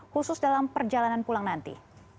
khusus dalam perjalanan pulang nanti